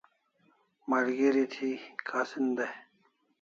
Malgeri thi kasin dai